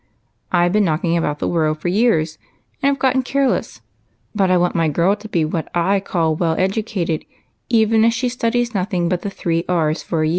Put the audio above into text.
I 've been knocking about the world for years, and have got careless, but I want my girl to be what I call well educated, even if she studies nothing but the ' three Rs ' for a year to come.